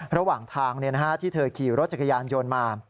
ระหว่างทางที่เธอขี่รถจักรยานยนต์มา